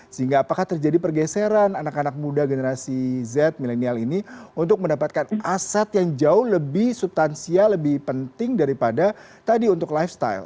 sehingga apakah terjadi pergeseran anak anak muda generasi z milenial ini untuk mendapatkan aset yang jauh lebih subtansial lebih penting daripada tadi untuk lifestyle